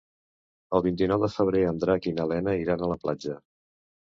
El vint-i-nou de febrer en Drac i na Lena iran a la platja.